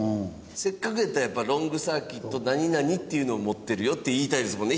せっかくやったらやっぱり「ＬｏｎｇＣｉｒｃｕｉｔ何々」っていうのを持ってるよって言いたいですもんね